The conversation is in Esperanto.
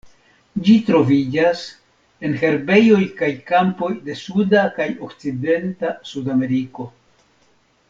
Ĝi troviĝas en herbejoj kaj kampoj de suda kaj okcidenta Sudameriko.